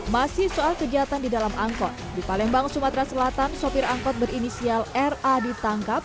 masih soal kejahatan di dalam angkot di palembang sumatera selatan sopir angkot berinisial ra ditangkap